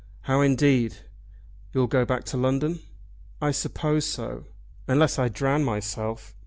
"How indeed! You'll go back to London?" "I suppose so; unless I drown myself."